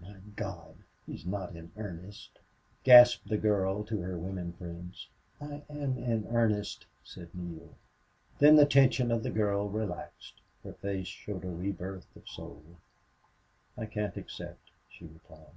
"My God he's not in earnest!" gasped the girl to her women friends. "I am in earnest," said Neale. Then the tension of the girl relaxed. Her face showed a rebirth of soul. "I can't accept," she replied.